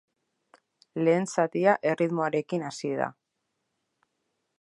Lehen zatia erritmoarekin hasi da.